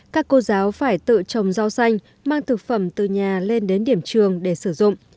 các cô giáo phải tự trồng rau xanh mang thực phẩm từ nhà lên đến điểm trường để sử dụng